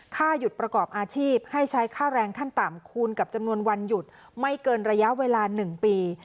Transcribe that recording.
หยุดประกอบอาชีพให้ใช้ค่าแรงขั้นต่ำคูณกับจำนวนวันหยุดไม่เกินระยะเวลา๑ปี